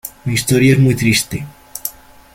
¡ mi historia es muy triste!